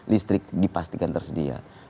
listrik dipastikan tersedia